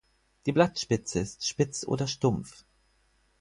Die Blattspitze ist spitz oder stumpf.